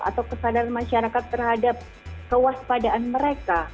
atau kesadaran masyarakat terhadap kewaspadaan mereka